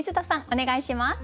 お願いします。